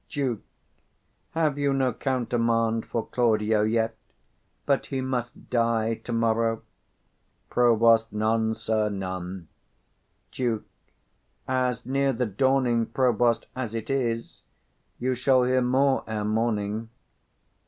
Duke. Have you no countermand for Claudio yet, But he must die to morrow? Prov. None, sir, none. Duke. As near the dawning, provost, as it is, 90 You shall hear more ere morning.